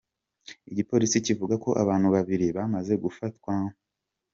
Igipolisi kivuga ko abantu babiri bamaze gufatwa.